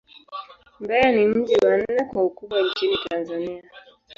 Mbeya ni mji wa nne kwa ukubwa nchini Tanzania.